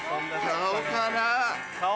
顔かな？顔？